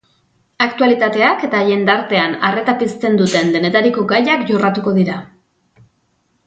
Aktualitateak eta jendartean arreta pizten duten denetariko gaiak jorratuko dira.